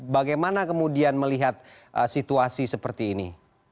bagaimana kemudian melihat situasi seperti ini